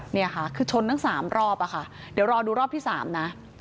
นี่ค่ะคือชนทั้ง๓รอบอะค่ะเดี๋ยวรอดูรอบที่๓นะ